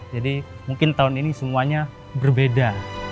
jadi mungkin tahun ini semuanya berbeda